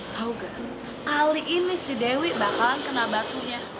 tau gak kali ini si dewi bakalan kena bakunya